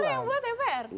karena yang membuat mpr